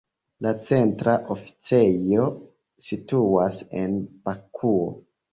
La centra oficejo situas en Bakuo.